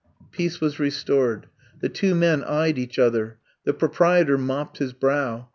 *' Peace was restored. The two men eyed each other. The proprietor mopped his brow.